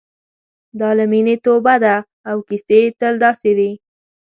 دا له مینې توبه ده او کیسې تل داسې دي.